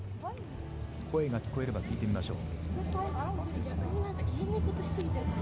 声が聞こえれば聞いてみましょう。